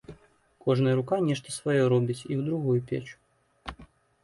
Кожная рука нешта сваё робіць і ў другую печ.